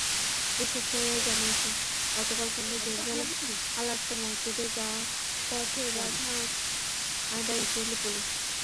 বিক্ষোভকারীরা জানিয়েছেন, গতকাল সন্ধ্যায় জেরুজালেমে আল-আকসা মসজিদে যাওয়ার পথে বাধা দেয় ইসরায়েলি পুলিশ।